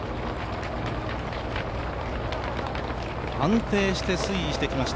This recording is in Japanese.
安定して推移してきました